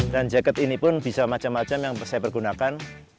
dan jaket ini pun bisa macam macam yang saya pergunakan